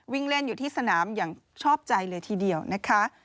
วิ่งเล่นอยู่ที่สนามอย่างชอบใจเลยทีเดียวนะคะ